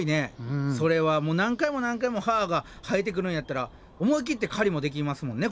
それは何回も何回も歯が生えてくるんやったら思い切って狩りもできますもんね